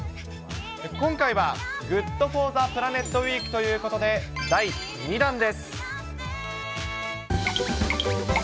今回はＧｏｏｄＦｏｒｔｈｅＰｌａｎｅｔウイークということで、第２弾です。